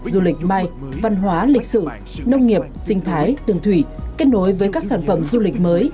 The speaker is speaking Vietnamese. du lịch mai văn hóa lịch sử nông nghiệp sinh thái đường thủy kết nối với các sản phẩm du lịch mới